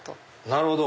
なるほど。